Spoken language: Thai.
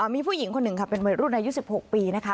มีผู้หญิงคนหนึ่งค่ะเป็นวัยรุ่นอายุ๑๖ปีนะคะ